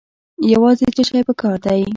یوازې څه شی پکار دی؟